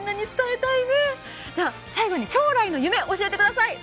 最後に将来の夢、教えてください。